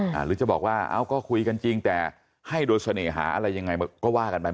หรือจะบอกว่าเอ้าก็คุยกันจริงแต่ให้โดยเสน่หาอะไรยังไงก็ว่ากันไป